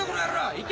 行け！